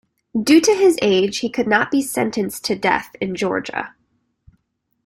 Due to his age, he could not be sentenced to death in Georgia.